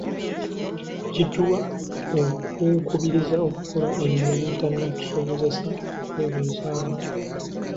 Kituwa okwekubiriza okukola ebyo ebinaatusobozesa okwebeezaawo.